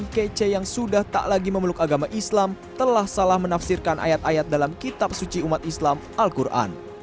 mkc yang sudah tak lagi memeluk agama islam telah salah menafsirkan ayat ayat dalam kitab suci umat islam al quran